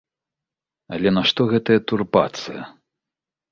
Але нашто гэта турбацыя?